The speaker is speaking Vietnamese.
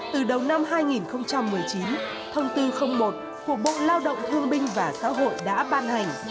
từ đầu năm hai nghìn một mươi chín thông tư một của bộ lao động thương binh và xã hội đã ban hành